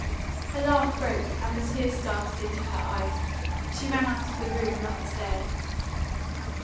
Her laugh broke, and the tears started into her eyes; she ran out of the room, and up the stairs.